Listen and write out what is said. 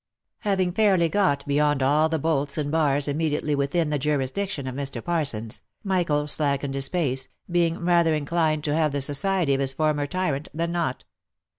Having fairly got beyond all the bolts and bars immediately within the jurisdiction of Mr. Parsons, Michael slackened his pace, being rather inclined to have the society of his former tyrant, than not.